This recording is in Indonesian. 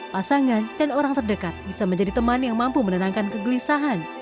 pasangan dan orang terdekat bisa menjadi teman yang mampu menenangkan kegelisahan